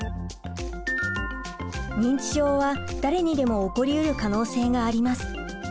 認知症は誰にでも起こりうる可能性があります。